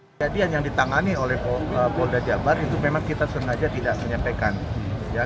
kejadian yang ditangani oleh polda jabar itu memang kita sengaja tidak menyampaikan